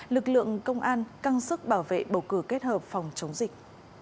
lực lượng công an căng sức bảo vệ bầu cử kết hợp phòng chống dịch